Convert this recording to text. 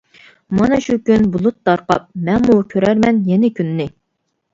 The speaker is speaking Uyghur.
مانا شۇ كۈن بۇلۇت تارقاپ، مەنمۇ كۆرەرمەن يەنە كۈننى.